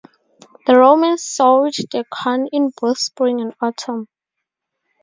The Romans sowed the corn in both spring and autumn.